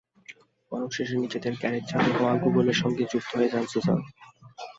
পড়াশোনা শেষে নিজেদের গ্যারেজে চালু হওয়া গুগলের সঙ্গে যুক্ত হয়ে যান সুসান।